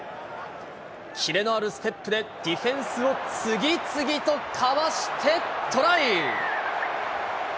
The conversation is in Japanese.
キレのあるステップでディフェンスを次々とかわしてトライ。